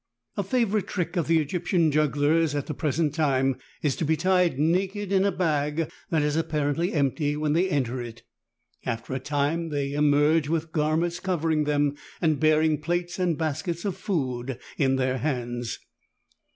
A favorite trick of the Egyptian jugglers at the pres ent time is to be tied naked in a bag that is appar ently empty when they enter it ; after a time they emerge with garments covering them, and bearing plates and baskets of food in their hands.